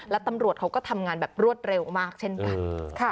และตำรวจเขาก็ทำงานแบบรวดเร็วมากเช่นกัน